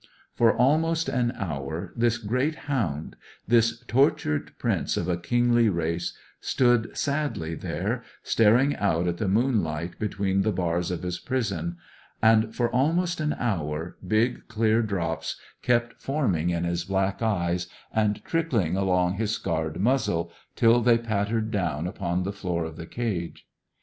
For almost an hour this great hound, this tortured prince of a kingly race, stood sadly there, staring out at the moonlight between the bars of his prison; and for almost an hour, big clear drops kept forming in his black eyes and trickling along his scarred muzzle, till they pattered down upon the floor of the cage.